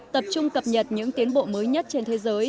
tập trung cập nhật những tiến bộ mới nhất trên thế giới